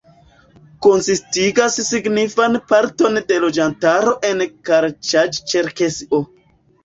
Konsistigas signifan parton de loĝantaro en Karaĉaj-Ĉerkesio.